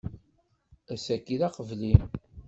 Ass-agi, d aqebli.